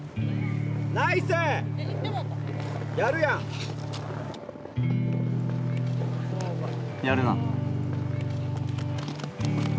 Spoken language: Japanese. やるやん！